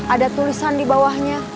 ada tulisan di bawahnya